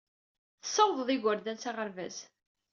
Tessawḍeḍ igerdan s aɣerbaz.